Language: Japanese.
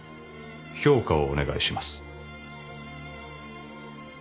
評価をお願いします。